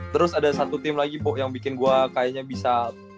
terus ada satu tim lagi bu yang bikin gue kayaknya bisa